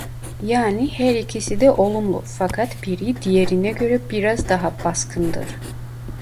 Yani her ikisi de olumlu fakat biri diğerine göre biraz daha baskındır.